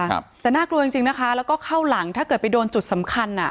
ครับแต่น่ากลัวจริงจริงนะคะแล้วก็เข้าหลังถ้าเกิดไปโดนจุดสำคัญอ่ะ